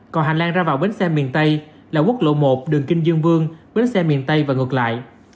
còn hành lang ra vào bến xe miền tây là quốc lộ một đường kinh dương vương bến xe miền tây và ngược lại